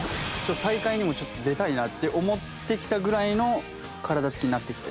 大会にもちょっと出たいなって思ってきたぐらいの体つきになってきて。